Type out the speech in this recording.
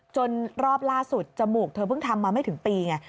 รอบล่าสุดจมูกเธอเพิ่งทำมาไม่ถึงปีไง